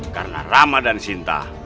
karena ramadan sinta